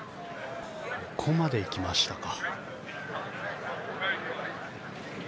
ここまで行きましたか。